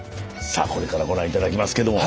さあこれからご覧頂きますけども。